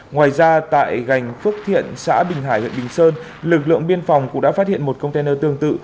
ngoài ra tại gành phước thiện xã bình hải huyện bình sơn lực lượng biên phòng cũng đã phát hiện một container tương tự